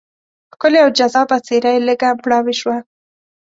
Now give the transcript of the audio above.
ښکلې او جذابه څېره یې لږه مړاوې شوه.